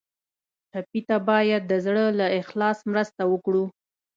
ټپي ته باید د زړه له اخلاص مرسته وکړو.